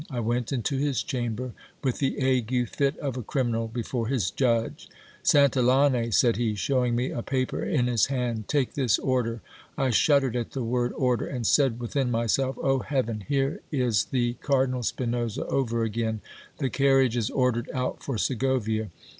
I went into his chamber, with the ague fit of a criminal before his judge. San tillane, said he, showing me a paper in his hand, take this order. .... I shud dered at the word order, and said within myself : Oh heaven ! here is the Cardinal Spinosa over again ; the carriage is ordered out for Segovia.